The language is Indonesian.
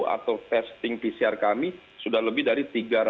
atau testing pcr kami sudah lebih dari tiga ratus